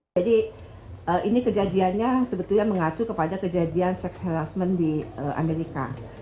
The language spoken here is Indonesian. jadi ini kejadiannya sebetulnya mengacu kepada kejadian sex harassment di amerika